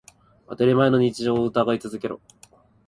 当たり前の日常を疑い続けろ。